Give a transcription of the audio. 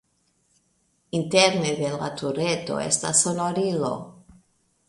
Interne de la tureto estas sonorilo.